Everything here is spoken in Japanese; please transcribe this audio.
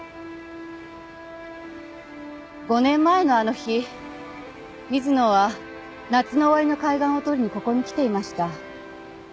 ５年前のあの日水野は夏の終わりの海岸を撮りにここに来ていました。